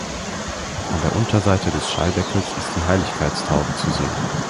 An der Unterseite des Schalldeckels ist die Heiliggeisttaube zu sehen.